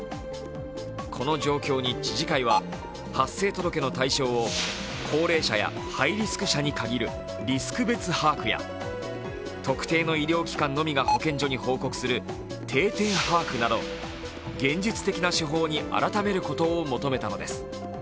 この状況に知事会は発生届の対象を高齢者やハイリスク者に限るリスク別把握や特定の医療機関のみが保健所に報告する定点把握など現実的な手法に改めることを求めたのです。